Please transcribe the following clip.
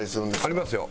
ありますよ。